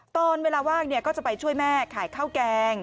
ตอนเวลาว่างก็จะไปช่วยแม่ขายข้าวแกง